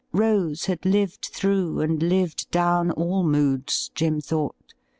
Rose had lived through and lived down all moods, Jim thought.